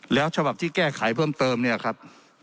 แล้วฉบับที่แก้ไขเพิ่มเติมเนี่ยครับ